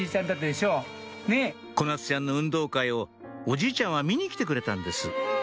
小夏ちゃんの運動会をおじいちゃんは見に来てくれたんです